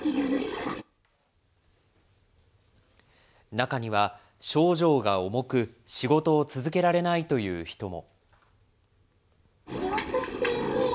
中には症状が重く、仕事を続けられないという人も。